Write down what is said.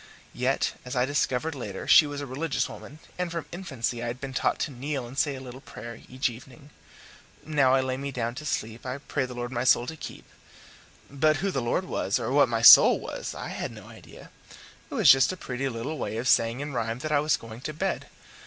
Yet, as I discovered later, she was a religious woman, and from infancy I had been taught to kneel and say a little prayer each evening: "Now I lay me down to sleep, I pray the Lord my soul to keep"; but who the Lord was or what my soul was I had no idea. It was just a pretty little way of saying in rhyme that I was going to bed.